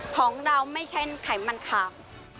ของเราไม่ใช่ไขมันขาว